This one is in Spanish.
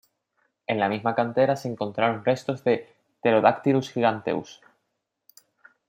En la misma cantera se encontraron restos de "Pterodactylus giganteus".